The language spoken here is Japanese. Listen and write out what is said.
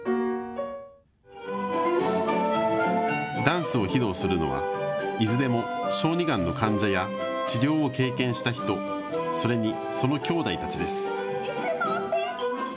ダンスを披露するのはいずれも小児がんの患者や治療を経験した人、それにそのきょうだいたちです。